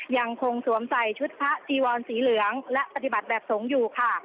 ยังคงสวมใส่ชุดพระจีวรสีเหลืองและปฏิบัติแบบสงฆ์อยู่ค่ะ